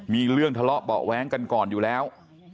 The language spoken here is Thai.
มีเรื่องทะเลาะเบาะแว้งกันก่อนอยู่แล้ว